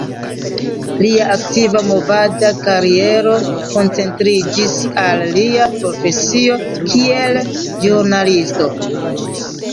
Lia aktiva movada kariero koncentriĝis al lia profesio kiel ĵurnalisto.